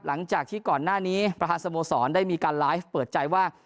หลังจากที่ก่อนหน้านี้ประธานสโมสรได้มีการไลฟ์เปิดใจว่า